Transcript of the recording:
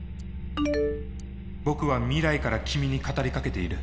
僕は未来から君に語りかけている。